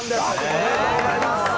おめでとうございます。